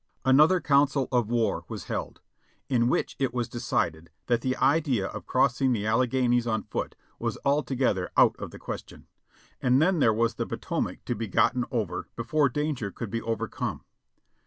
Another council of war was held, in which it was decided that the idea of crossing the Alleghanies on foot was altogether out of the question, and then there was the Potorhac to be gotten over before danger could be overcome.